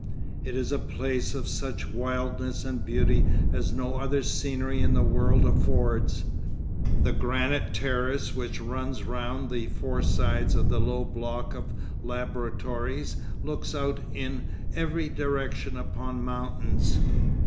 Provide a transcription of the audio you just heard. It is a place of such wildness and beauty as no other scenery in the world affords. The granite terrace which runs round the four sides of the low block of laboratories looks out in every direction upon mountains.